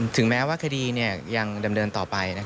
ถึงแม้ว่าคดียังดำเนินต่อไป